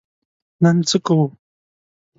نن څه کوو؟